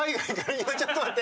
いやちょっと待って。